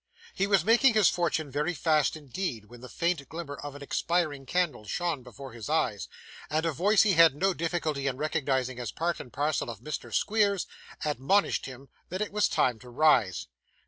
He was making his fortune very fast indeed, when the faint glimmer of an expiring candle shone before his eyes, and a voice he had no difficulty in recognising as part and parcel of Mr Squeers, admonished him that it was time to rise.